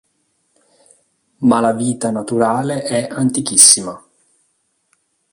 Ma la vita naturale è antichissima.